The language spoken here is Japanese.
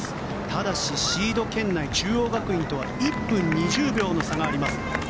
ただしシード圏内の中央学院とは１分２０秒の差があります。